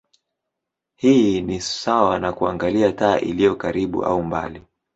Hii ni sawa na kuangalia taa iliyo karibu au mbali.